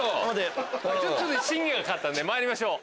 ちょっと審議がかかったんでまいりましょう。